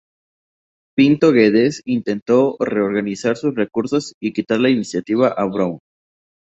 Pinto Guedes intentó reorganizar sus recursos y quitar la iniciativa a Brown.